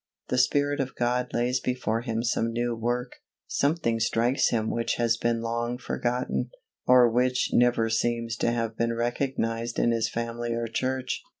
The Spirit of God lays before him some new work, something strikes him which has been long forgotten, or which never seems to have been recognised in his family or church.